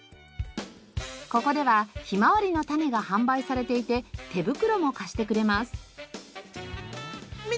ここではヒマワリの種が販売されていて手袋も貸してくれます。